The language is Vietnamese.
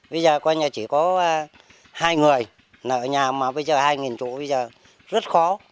bây giờ coi nhà chỉ có hai người là ở nhà mà bây giờ hai chỗ bây giờ rất khó